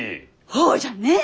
ほうじゃね！